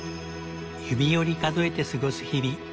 指折り数えて過ごす日々。